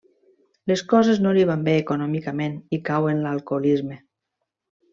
Les coses no li van bé econòmicament i cau en l'alcoholisme.